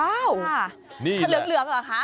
ว้าวค่ะหลืองเหรอคะ